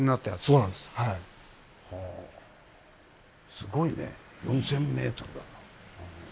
すごいね４，０００ｍだよ。